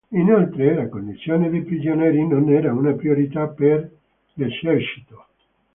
Inoltre la condizione dei prigionieri non era una priorità per l'esercito.